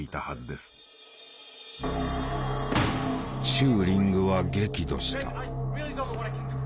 チューリングは激怒した。